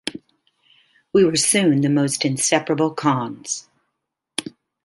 We were soon the most inseparable cons.